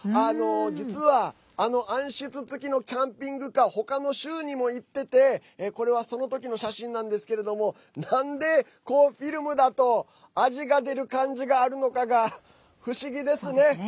実は、あの暗室付きのキャンピングカー他の州にも行っててこれは、その時の写真なんですがなんでこう、フィルムだと味が出る感じがあるのかが不思議ですね。